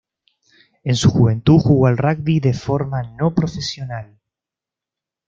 En su juventud jugó al rugby de forma no profesional.